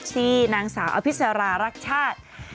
ที่นางสาวอภิษรารักษา๗๓๐๒๕๗๗๔๑๗